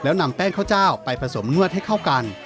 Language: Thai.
แล้วนำแป้งข้าวเจ้าไปผสมนวดให้เข้ากัน